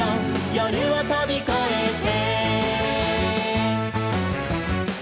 「夜をとびこえて」